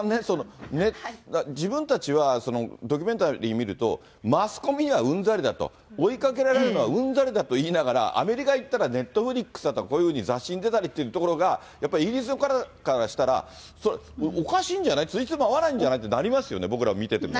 えっと、マスコミにはうんざりだと追いかけられるのはうんざりだと言いながら、アメリカ行ったら、ネットフリックスだとか、こういうふうに雑誌に出たりというところが、やっぱりイギリスからしたら、おかしいんじゃない、つじつま合わないんじゃないってなりますよね、僕ら見てても。